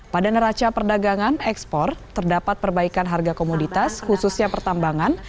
pada neraca perdagangan ekspor terdapat perbaikan harga komoditas khususnya pertambangan